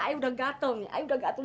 ayah udah gatel iah udah gatel